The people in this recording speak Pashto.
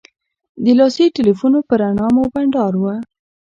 د لاسي تیلفونو په رڼا مو بنډار و.